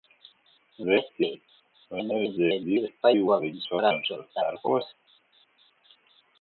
Vecīt, vai neredzēji divus pajoliņus oranžos tērpos?